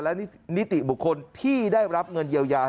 และนิติบุคคลที่ได้รับเงินเยียวยา